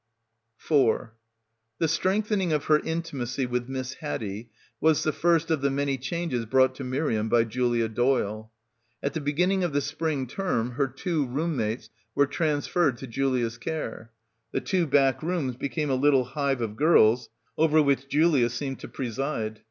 4 The strengthening of her intimacy with Miss Haddie was the first of the many changes brought to Miriam by Julia Doyle. At the beginning of the spring term her two room mates were trans ferred to Julia's care. The two back rooms be came a little hive of girls over which Julia seemed to preside.